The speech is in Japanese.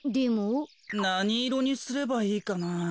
なにいろにすればいいかな？